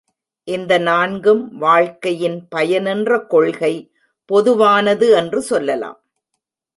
இந்த நான்கும் வாழ்க்கையின் பயனென்ற கொள்கை பொதுவானது என்று சொல்லலாம்.